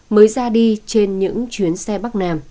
mới ra đi trên những chuyến xe bắc